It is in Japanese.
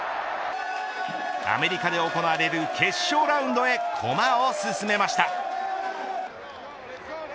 アメリカで行われる決勝ラウンドへ駒を進めました。